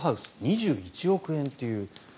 ２１億円という。